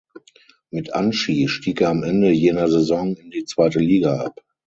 Mit Anschi stieg er am Ende jener Saison in die zweite Liga ab.